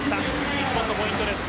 日本のポイントです。